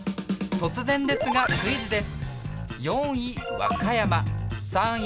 突然ですがクイズです！